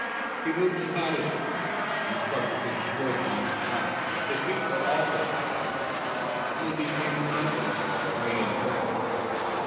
He moved his body a little, and it struck against wood on either side. His feet also were bound, and he became conscious of a swaying motion.